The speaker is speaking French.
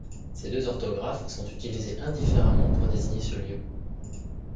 Ces deux orthographes sont utilisées indifféremment pour désigner ce lieu.